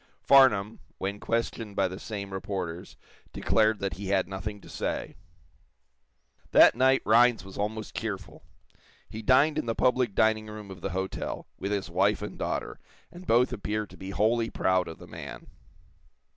Farnum, when questioned by the same reporters, declared that he had nothing to say. That night Rhinds was almost cheerful. He dined in the public dining room of the hotel, with his wife and daughter, and both appeared to be wholly proud of the man.